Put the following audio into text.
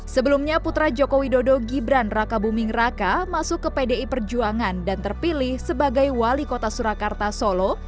sebelumnya putra jokowi dodo gibran raka buming raka masuk ke pdi perjuangan dan terpilih sebagai wali kota surakarta solo